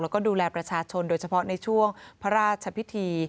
แล้วก็ดูแลประชาชนโดยเฉพาะในช่วงพระราชพิธี